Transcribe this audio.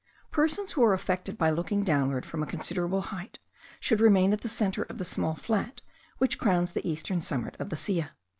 Persons who are affected by looking downward from a considerable height should remain at the centre of the small flat which crowns the eastern summit of the Silla.